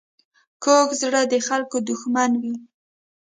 کوږ زړه د خلکو دښمن وي